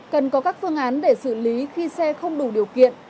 cần có các phương án để xử lý khi xe không đủ điều kiện